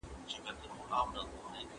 عالم وويل چي اسلام د عدل تر ټولو ښه بېلګه ده.